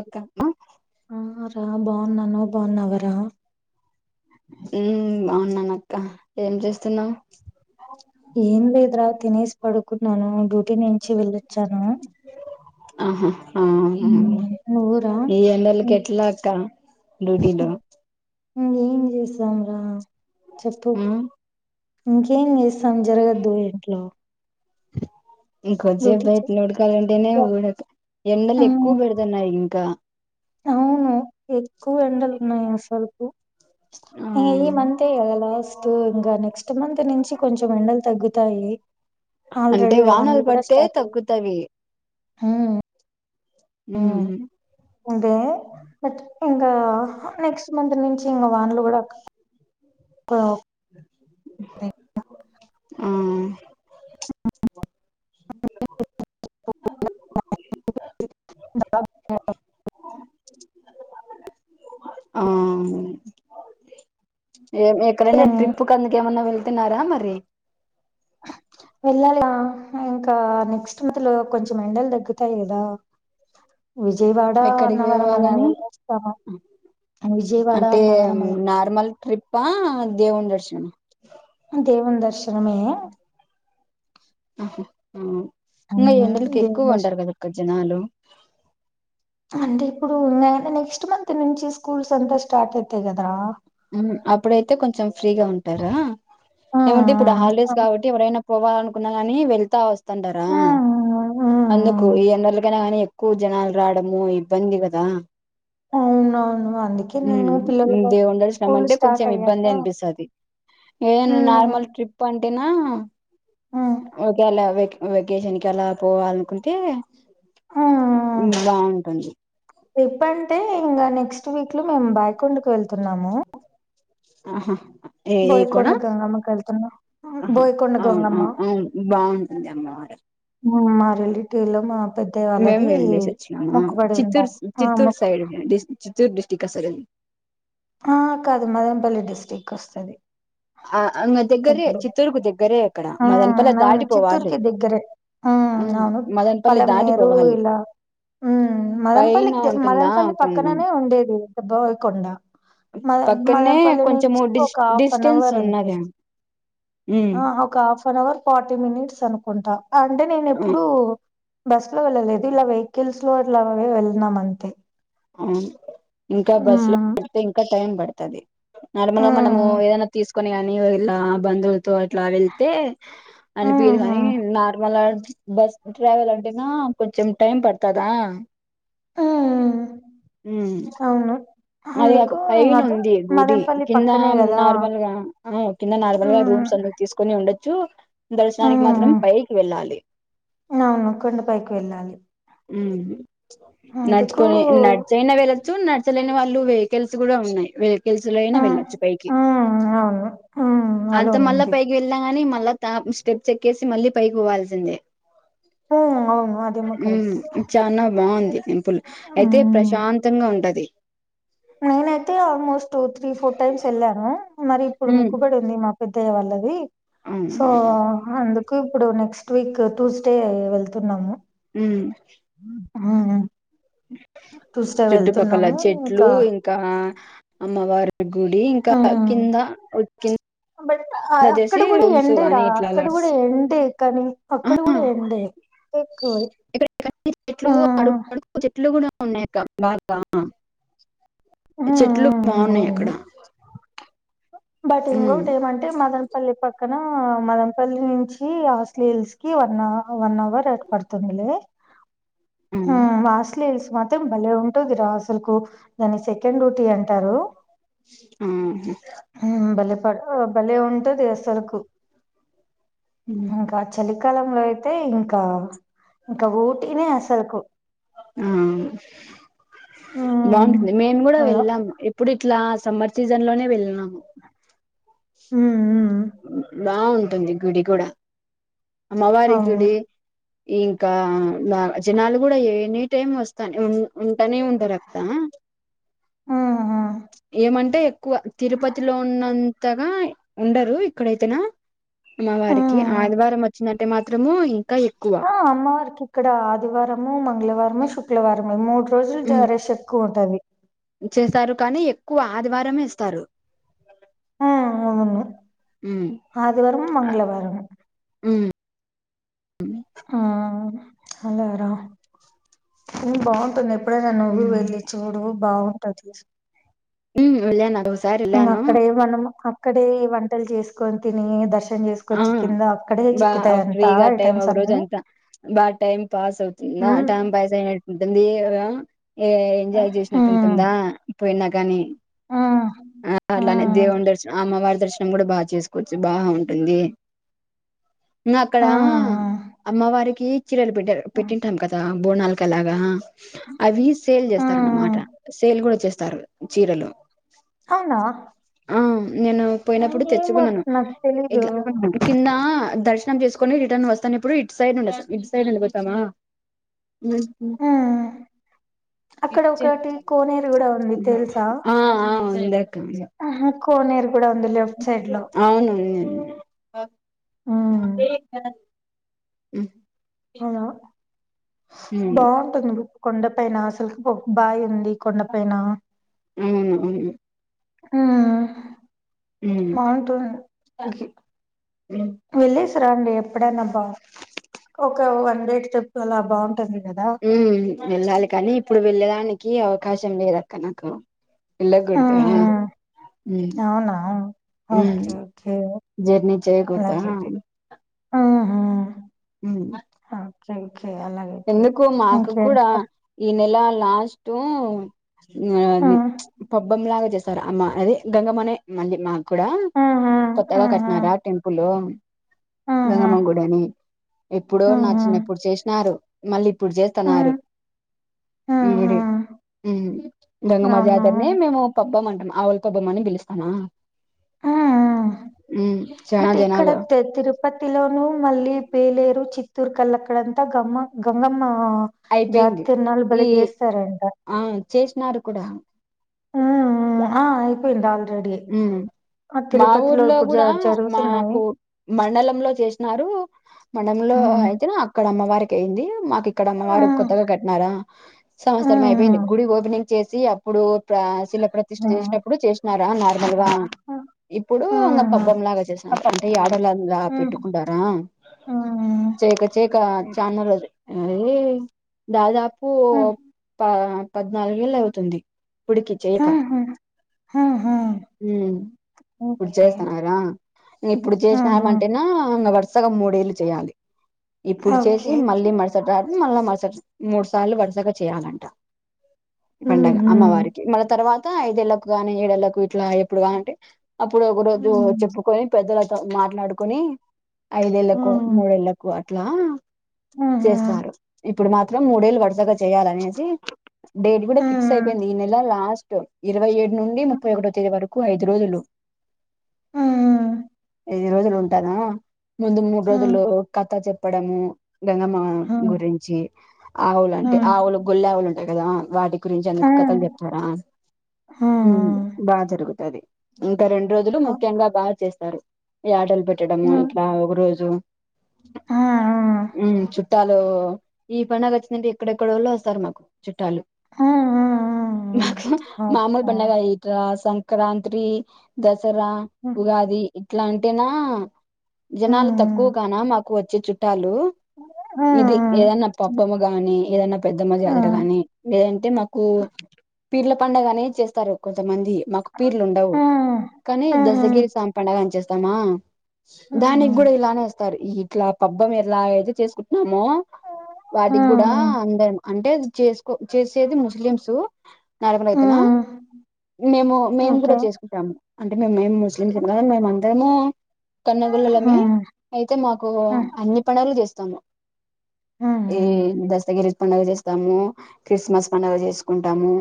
అక్క మ్మ్ ఆ రా బాగున్నాను నువ్ బాగున్నావరా హుమ్ బాగున్నానక్క ఏం చేస్తున్నావు ఏం లేదురా తినేసి పడుకున్నాను డ్యూటీ నుంచి వెళ్ళొచ్చాను ఆహా అ ఉమ్, నువ్వురా ఈ ఎండలకి ఎట్లాక్క డ్యూటీలో హుమ్ ఏం చేస్తాం రా చెప్పు మ్మ్ ఇంకేం చేస్ సం జరగద్దు ఇంట్లో ఇంకొంసేపు డ్యూటీ బయట చే నాడకాలంటేనే నువ్వు ఎండలు ఉమ్, ఎక్కువ పెడుతున్నాయి ఇంకా అవును ఎక్కువ ఎండలు ఉన్నాయి అసలుకు ఆ ఈమంతే కదా లాస్ట్ ఇంగా నెక్స్ట్ [unintelligible] నుంచి కొంచెం ఎండలు తగ్గుతాయి అంటే ఆల్రెడీ వానల్ పడితే తగ్గుతాయి మీవి హ ఉ హు అదే బట్ ఇంకా నెక్స్ట్ మంత్ నుంచి ఇంకా వాన్లు కూడా పో ఆ [inaudible] ఆ ఏ ఎక్కడైనా ట్రిప్ కందుకకేమన్నా వెళ్తే తిన్నారా మరి వెళ్ళాల ఇంకా నెక్స్ట్ మంత్ లో కొంచెం ఎండలు తగ్గుతాయి కదా విజయవాడ ఎక్కడికి అన్నవరం అలా పోవాలని వెళ్ళొస్తామా విజయవాడ అంటే అన్నవరం అలా నార్మల్ ట్రిప్పా దేవ్వుణ్ దర్స్ ఆ దేవ్వున్ని దర్శనమేనా ఉహు ఉ ఇంకా ఎండలకి దేవుని ఎక్కువ దర్శనం ఉంటారు కదా ఇక్క జనాలు అంటే ఇప్పుడు న నెక్స్ట్ మంత్ నుంచి స్కూల్స్ అంతా స్టార్ట్ అయితాయి కదరా అప్పుడైతే కొంచెం ఫ్రీగా ఉంటారా ఆ ఏమంటే ఇప్పుడు ఆ హాలిడేస్ కాబట్టి ఎవడైనా పోవాల అనుకున్నా కాని వెళ్తా వస్తుంటారా ఆ ఆ అందుకు ఈ ఎన్నోళ్లకైనా కాని ఎక్కువ జనాలు రావడము ఇబ్బంది కదా అవునవును అందుకే నేను పిల్లల నువ్వుంటే కొంచెం ఇబ్బంది అనిపిస్తాది ఏ ఉమ్, నార్మల్ ట్రిప్ అంతేనా ఆ అంకెలవేట్ వెకేషన్ కి ఎలా పోవాలనుకుంటే ఆ బాగుంటుంది ట్రిప్ అంటే ఇంకా నెక్స్ట్ వీక్ లో మేము బాయకొండకి వెళ్తున్నాము ఆహా ఏ ఏ బోయకొండ కూడా గంగమ్మకు వెళ్తున్నా ఆహా బోయకొండ అవును గంగమ్మ అవును అవును బాగుంటుంది అమ్మవారు రేల మేము వెళ్ చేసి వచ్చినము చిత్తూర్ ఉండాలి ఆ చిత్తూరు మొక్కు సైడ్ చిత్తూరు డి టీకా సరం ఆహా కాదు మదంపల్లి డిస్ట్రిక్ వస్తది. ఆ అంగ దగ్గరే చిత్తూరుకు దగ్గరే. అక్కడ హ మదనపల్లి నవును దాటిపోవాలి చిత్తూర్కి దిగరే ఉ ఉమ్ అవును మదనపల్లి పలవ నేరు దాటిపోవాలి ఇలా ఉ పైన మదన్పల్లికి ద ఉంటుందా మదనపల్లి కొండం పక్కననే ఉండేది. బోయి కొండ. పక్కనే కొంచెం ఒక హాఫ్ అన్ డిస్టెన్స్ అవర్ అంతే ఉన్నది మ్. ఆ ఒక half an hour forty minutes అనుకుంటా అంటే నేను అవును ఎప్పుడు. బస్సు లో వెళ్ళలేదు ఇలా వెహికల్స్ లో అట్లా వెళ్ళనాం అంతే. ఇంకా బస్ లో మ్మ్ పెడితే ఇంకా టైం పడ. దధి. నార్మల్ గా మనము మ్మ్ ఏదైనా తీసుకొని. నీవు ఇలా బంద. త అట్లా వెళ్తే అని పీరు కాని మ్మ్ నార్మల్. బస్ ట్రావెల్ అంటేనా కొంచెం టైం పడుతదా. ఆ. హ్మ్మ్ అది ఒక అందుకు పైన్ అటు ఉంది గుడి మదనపల్లి కింద పక్కనే కదా నార్మల్గా కింద నార్మల్గా మ్మ్ రూమ్స్ అందు తీసుకొని ఉండ. తూ. దర్శనానికి మాత్రం మ్మ్ పైకి వెళ్ళాలి. అవును కొండపైకి వెళ్ళాలి ఉ. అందుకు నడుచుకొని నడిచయినా వెళ్ళొచ్చు న. తెలియని వాళ్ళు వెహికల్స్ కూడా ఉన్నాయిక. గలుసులో అయినా మ్మ్ వెళ్ళొచ్చు పైకి మ్మ్ అవును మ్మ్ అలా అంత మళ్ళా ఉంది పైకి వెళ్ళా కాని మళ్ళా. స్టెప్ చెక్కేసి మళ్ళీ పైకి పోవాల్సిందే. హ అవును. అదేమో కరెక్టే చనా బాగుంది. హ్. ప్పులు అయితే మ్మ్ ప్రశాంతంగా ఉంటది. నేనైతే ఆల్మోస్ట్ త్రీ ఫోర్ టైమ్స్ వెళ్ళాను. మరి ఇప్పుడు ఉమ్ ముక్కుబడి ఉంది మా. పెద్దయ్య వాళ్ళది. సో అవును అందు. ఇప్పుడు నెక్స్ట్ వీక్ ట్యూస్డే వెళ్తున్నాము. హ్మ్మ్. హ ఆ చుట్టుపక్కల చెట్లు ఇంకా అమ్మవారి గుడి ఇంకా హ్మ్ కింద కింద బట్ అక్కడ వచ్చేసి కూడా రూమ్స్ ఎండే రా అని ఇట్లా అక్కడ లాడ్స్ కూడా ఎండే కానీ ఆ అక్కడ కూడా ఏండ ఎక్కువ ఇక్కడ ఆ ఉ బ హ్మ్. చెట్లు హ్మ్. బాగున్నాయి అవును అక్కడ బట్ ఉమ్ ఇంట్ ఏమంటే మదనపల్లి పక్క అక్కన మదంపల్లి నుంచి హాస్లీహల్స్ కి వన్వ వన్ అవర్ ఏర్పడుతుందిలే ఉమ్ వాస్ ల్స్ మాత్రం భలే ఉంటుంది రా అసలుకు దాని సెకండ్ డ్యూటీ అంటారు ఆ బలే పడు భలే ఉంటది సరకు ఇకా చలి ఎకాలంలో అయితే ఇంకా ఇంకా ఊటీనే అసలుకు ఆ హ్మ్ బాగుంటుంది మేము కూడా అలా వెళ్ళాం ఇప్పుడు ఇట్లా సమ్మర్ సీజన్ లోనే వెళ్ళిన హ బాగుంటుంది గుడి కూడా అవును అమ్మవారకుడి ఇంకా జనాలు కూడా ఏ టైమ్ వస్తా నే ఉంటారు అక్క హ్మ్ హ్మ్ ఏమంటే ఎక్కువ తిరుపతిలో ఉన్న కొత్తాగా ఉండరు ఇక్కడైతేనా అమ్మ వారికి హ్మ్ ఆదివారం మొ నంటే మాత్రము ఆ అమ్మ వర్కి ఇక్కడ ఆదివారం మంగళవారంము శుక్్రవారంము మూడు రోజులు ఉమ్ జర చెక్కువంట అవి చేస్తారు కానీ ఎక్కువ ఆదివారమే ఇస్తారు ఆవున్న ఉమ్ ఆదివారంమ మంగళవారంము ఉమ్ అలారా బాగుంటుంది ఇప్పుడే నువ్వు వెళ్ళలి చూడు బాగుంటది ఉ వెళ్లాను ఆరోజు ఇ అక్కడ ఏమి అనము ఇక్కడే ఈ వంటలు చేసుకొని తిని దర్శ ఆ బా అంతా ఫ్రీగా టైమ్ ఐటమ్స్ ఒక రోజు అన్ని అంతా బాగా టైం పాస్ అవుతుందా ఉమ్ టైమ్ పాస్ అయినట్టు ఉంటుంది అలాగా ఏ ఎంజాయ్ చేసినట్టు ఉమ్ ఉంటుందా పోయి నాకు కాగానీ ఉమ్ ఆ అట్లానే ఉమ్ దేవుండర్చ అమ్మ వాడు దర్శనం కూడా బా చేసుకోవచ్చు బా ఉంది అక్కడ అమ్మవారికి చీరలు పె ఉమ్ పెట్టింటాం కదా బోనాలకులాగా అవి సేల్ ఉమ్ చేస్తారున్నమాట సేల్ కూడా చేస్తారు చీరలు అవునా ఆ నేను పోయినప్పుడు ఏమో తెచ్చుకున్నాను నాకు తెలీదు ఇట్లా కింద దర్శ ర్శనం చేసుకొని రిటర్న్ వస్తానేప్పుడు ఇట్ సైడ్నుండోస్తాం. ఇట్ సైడ్నుండి బోచ్చామా హ్ హు ఉమ్ అక్కడ ఒకటి కోనేరు కూడా ఉంది తెలుసా ఆ ఆ ఇందాక కోనేరు కూడా ఉంది లెఫ్ట్ సైడ్ లో అవునుంది ఆ ఉమ్ [unintelligible] మ్ అలా బాంటుంది కొండపైన అసలు ఒ బాయ్ ఉంది కొండపైన హ్ హు హ్మ్ ఉమ్ బాంటుంది [unintelligible] ఉమ్ వెళ్లేస్ రండి ఎప్పుడైనా బా ఒక వన్ డేట్ ట్రిప్ అలా బాంటుంది హు వెళ్ళాలి కానీ ఇప్పుడు వెళ్లే దనికి అవకాశం లేదు అక్క నాకు వెళ్లకూడదా అవునా ఓకే ఓకే జర్నీ చేకూడదా ఆహా హు క్షంగ్ ఎందుకు మాకు కూడా ఈ నెల లాష్ టూ మ్ అది హ్మ్. పబ్బమ్లాగ జెస్ స్తర్ అమ్మా అది గంగమ్మనే మళ్ళీ మా కూడా హుహు. కొత్తగా హుహు. కట్టినారా టెంపులు హుహు. గంగమ్మ గుడని. ఎప్పుడో నా హుహు. చిన్నప్పుడు చేషినారు మళ్ళీ ఇప్పుడు జేత్తాన్నారు. హ్మ్. ఈ హ్మ్. గుడి హ్మ్. హు గంగమ్మ అవునా జాతరనే మేము పబ్బమంటం మ ఆ ఒల్పొబమ్మని బిలుస్తామా ఊ చానా బట్ ఇక్కడ జనాలు తే తిరుపతిలోను, మళ్ళీ పేలేరు, చిత్ తుర్కల్ అక్కడంత గమ్మం గంగమ్మ ఆ జా అయిపోయింది తీర్నాలు బలే జేస్తారంట కుడా ఉ ఉమ్ హా అయిపోయిందా ఉమ్ మా ఊర్లో ఇప్పుడు జ కూడా జరుగుతున్నాయి మాకు మండలం లో చేసినారు మండలంలో ఉమ్ అయితేన అక్కడ అమ్మవారికి అయింది. మాకు ఇక్కడ అమ్మవారు ఉమ్ కొత్తగా కట్టినారా సంవత్సరం ఉమ్ అయిపోయింది, గుడి ఓపెనింగ్ చేసి అప్పుడు ప్ర శిల ప్రతిష్ట ఉమ్ చేసినప్పుడు చేసినారా అన్నార్ వా ఉమ్ ఇప్పుడు ఇక పబ్బం లాగా చేస్సనారు, అంటే యాటల్లాగా పెట్టుకుంటారా ఉమ్ ఉమ్ చేయక చేయక చానా రోజుల అదే దాదాప్ ఉమ్ పువ్ తా పద్నాలుగు ఏళ్ళు అవుతుంది హు చేయక హ్ హు హూ ఉమ్ ఇప్పుడు జేస్తన్నారా ఇప్పుడు జేసినాం ఉహు అంటేనా వర్ సగా మూడేళ్ళు చేయాలి ఇప్పుడు చేసి ఓకే ఓకే మళ్ళీ మరుసట రా మళ్ళా మరుసటి మూడు సార్లు వరుసగా చేయాలంట పండగ ఉహు అమ్మవారికి మల్ల తర్వా త్ ఐదేళ్లకు కానీ ఏడుయేల్లకు అట్లా ఎప్పుడ గాల అంటే అప్పుడు ఒక రోజు ఉమ్ చెప్పుకొని పెద్దల మాట్లాడుకుని ఐదుయేల్లకొ మూడుయేల్లకు అ ట్లా ఆహ ఇప్పుడు మాత్రం మూడేళ్ళు వరుసగా చేయాలనేసి డేట్ కూడా ఫిక్స్ హ్మ్ అయిపోయింది, ఈ నెల లాస్ట్ ఇరవై ఏడు నుండి హ్మ్ ముప్పై ఒకటి వరకు ఐదు రోజులు ఆ ఐదు రోజులు ఉంటారా ముందు మూడు హ్మ్ రోజులు కథ చెప్పడము గంగమ్మ హ్మ్ గురించి ఆవులు అంటే హ్మ్ ఆవులు గొల్లావులు కదా వాటికి గురించి అందుకు కథలు చెప్తారా హ్మ్ బా జరుగుతాది ఇంకా రెండు రోజులు ముఖ్యంగా బాగా చేస్ తరు యాటల్ పెట్టడము హ్మ్ ఇట్లా ఒక రోజు ఉమ్ చుట్టాలు ఈ పండుగ వచ్చిందంటే ఎక్కడెక్కడోళ్ళు వస్తారు మాకు చుట్టాలు హ్మ్ మాకు మామూలు పండగ సంక్రాంతి ద దసరా ఉగాది ఇట్లా అంటేనా జనాలు తక్కువగానా మా వచ్చి చుట్టాల ఇది ఏదన్నా పబ్బ గానీ ఏదన్నా పెద్ద మదియాగర గాని లేదంటే మాకు పిల్ల పండుగనే చేస్తారు కొంతమంది మాకు పీర్లు ఉండవు కానీ హ్మ్ దసగిరి సాం పడుగని చేేస్తామా దాని కూడాడ ఇలా అనేస్తారు ఇట్లా పబ్బం ఎలా అయితే చేసుకుంట న్నాము వాటికి కూడా అందరం అంటే చేసుకో చేసేది ముస్లిమ్స్ నడకల అయితేనా మేము మేము ఓకే కూడా చేసుకుంటాము అంటే మ ముస్లిం కన్న అదేమ కన్నగుల్ళలమే హ్మ్ అయితే మాకు హ్మ్ అన్ని పనుగలు చేస్త త్తమ హ్మ్ హ్మ్ హ్మ్ హ్మ్ హ్మ్ హ్మ్ హ్మ్ ఓకే హ్మ్ హ్మ్ హ్మ్ ఏ హ్మ్ దస్త పండుగ చేస్తాము క్రిస్మస్ పండుగ చేసుకుంటాము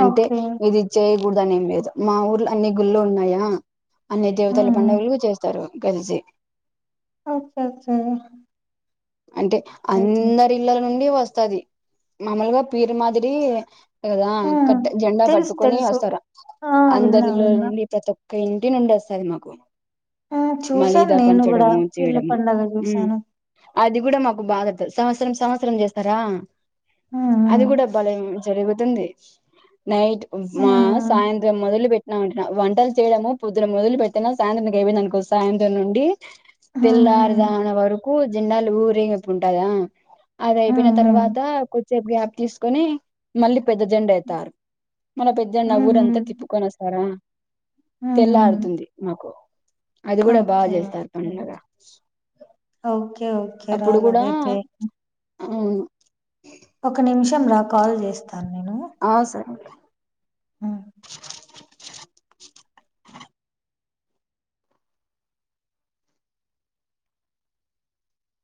అంటే ఓకే మీది ఇచ్చే కూూడదానే ఏం లేదు మా ఊర్లో అన్ని గుళ్లు ఉన్నాయా అన్ని దేవతల హ్మ్ పండుగలు చేస్తారు గర్జే అచ్చ అచ్చా అంటే అందరి ఇల్ల నుండి వస్తది మామలుగా పీరు మాదిరి కదా క హ్మ్ జెండా తెలుసు పట్టుకని తెలుసు వస్తారు ఆ విన్నా అందరిలో విన్నా నుండి ప్రతి ఇండియ ను ఉండ వస్తాది మాకు ఆ చూసాను మలీదా నేను కూడా పంచడము పిల్ల చేయడము పడుగ ఉమ్ చూశాను అది కూడా మాకు బాగా సంవత్సరం సంవత్సరం చేస్తారా అది హ్మ్ కూడా బాలే జరుగుతుంది నైట్ మా హ్మ్ సాయంత్రం మొదలు పెట్టినాంట వంటలు చేయడము పొద్దులు మొదలు పెట్టిన సాయంత్రం అపోయిందనుకో సాయంత్రం నుండి హ్మ్ తెల్లారుజన వరకు జెండాలు ఊరేగింపు పోంటాదా అది అయిపోయిన హ్మ్ హ్మ్ తర్వాత సేపు గ్యాప్ తీసుకొని మళ్ళీ పెద్ద జండా అయ్యితారు మన హ్మ్ పెద్దజండు హ్మ్ ఊరంతా హ్మ్ తిప్పుకొని వస్తారా హ్మ్ హ్మ్. తెల్లరూతుంది మాకు అది కూడా బాగా ఓకే చేస్తారు ఓకే పడుగ కే ఓకే రాలే అవును ఒక నిమిషం రా కాల్ చేస్తాను నేను ఆ సరే మ్మ్